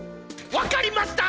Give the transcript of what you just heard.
分かりました！